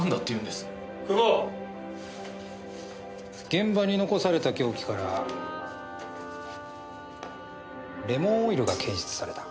現場に残された凶器からレモンオイルが検出された。